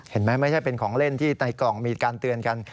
ไม่ใช่เป็นของเล่นที่ในกล่องมีการเตือนกัน